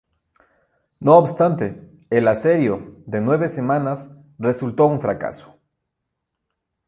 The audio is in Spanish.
No obstante, el asedio, de nueve semanas, resultó un fracaso.